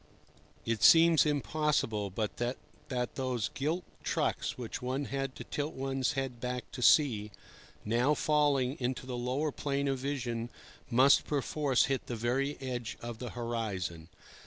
It seems impossible but that those gilt trucks which one had to tilt one's head back to see, now falling into the lower plane of vision, must perforce hit the very edge of the horizon.